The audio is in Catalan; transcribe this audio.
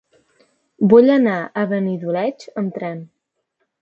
Vull anar a Benidoleig amb tren.